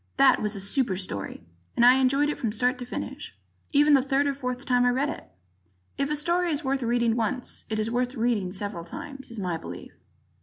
That was a super story and I enjoyed it from start to finish, even the third or fourth time I read it. If a story is worth reading once it is worth reading several times, is my belief.